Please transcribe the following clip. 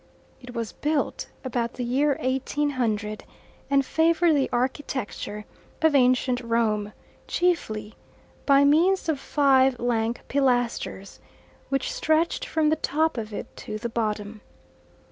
It was built about the year 1800, and favoured the architecture of ancient Rome chiefly by means of five lank pilasters, which stretched from the top of it to the bottom.